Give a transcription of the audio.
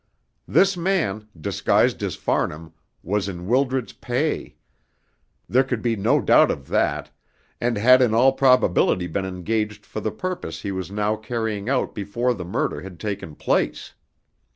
This man, disguised as Farnham, was in Wildred's pay, there could be no doubt of that, and had in all probability been engaged for the purpose he was now carrying out before the murder had taken place.